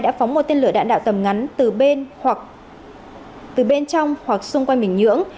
đã phóng một tên lửa đạn đạo tầm ngắn từ bên trong hoặc xung quanh bình nhưỡng